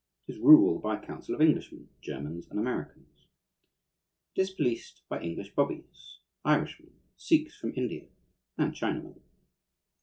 It is ruled by a council of Englishmen, Germans, and Americans. It is policed by English bobbies, Irishmen, Sikhs from India, and Chinamen.